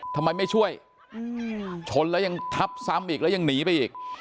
ทำไมไม่ช่วยชนแล้วยังทับซ้ำอีกแล้วยังหนีไปอีก